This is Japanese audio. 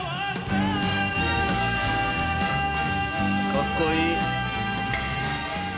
かっこいい。